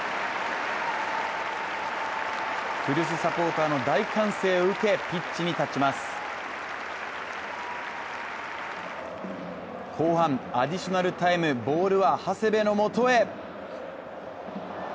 古巣サポーターの大歓声を受けピッチに立ちます後半アディショナルタイム、ボールは長谷部のもとへ。